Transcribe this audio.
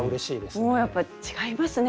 もうやっぱり違いますね